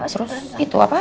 terus itu apa